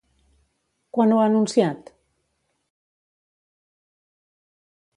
Quan ho ha anunciat?